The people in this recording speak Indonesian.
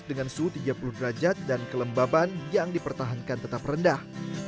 dengan suhu tiga puluh derajat dan kelembaban yang dipertahankan tetap rendah